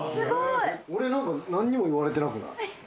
俺何か何にも言われてなくない？